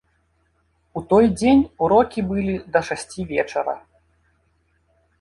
У той дзень урокі былі да шасці вечара.